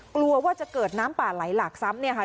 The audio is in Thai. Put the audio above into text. กลัวว่าจะเกิดน้ำปลาไหลหลากซ้ำ